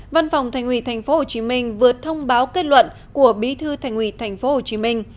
văn phòng thành ủy tp hcm vừa thông báo kết luận của bí thư thành ủy tp hcm